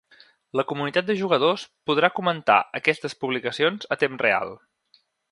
La comunitat de jugadors podrà comentar aquestes publicacions a temps real.